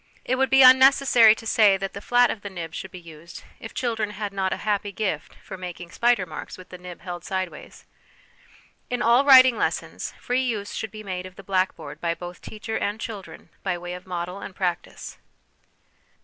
It would be unnecessary to say that the flat of the nib should be used if children had not a happy gift for making spider marks with the nib held sideways. In all writing lessons, free use should be made of the black board by both teacher and children by way of model and practice.